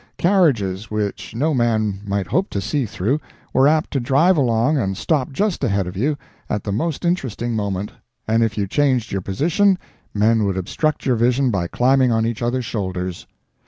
Carriages, which no man might hope to see through, were apt to drive along and stop just ahead of you, at the most interesting moment, and if you changed your position men would obstruct your vision by climbing on each others' shoulders.